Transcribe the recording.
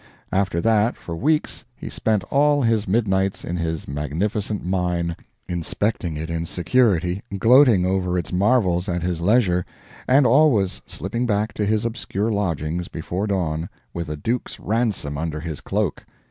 After that, for weeks, he spent all his midnights in his magnificent mine, inspecting it in security, gloating over its marvels at his leisure, and always slipping back to his obscure lodgings before dawn, with a duke's ransom under his cloak.